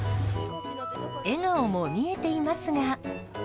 笑顔も見えていますが。